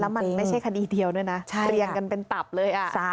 แล้วมันไม่เช่คดีเดียวเปลี่ยนกันเป็นตับเลย